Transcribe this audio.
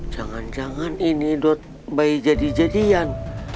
jangan jangan ini dot bayi jadi jadian